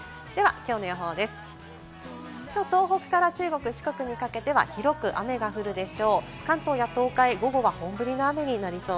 きょう東北から中国、四国にかけては広く雨が降るでしょう。